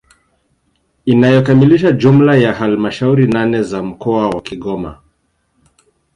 inayokamilisha jumla ya halmashauri nane za mkoa wa Kigoma